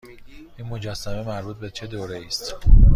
این مجسمه مربوط به چه دوره ای است؟